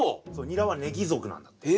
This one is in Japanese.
ニラはネギ属なんだって。